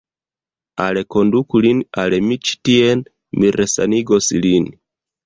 Alkonduku lin al mi ĉi tien; mi resanigos lin.